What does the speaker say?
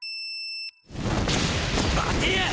待てや！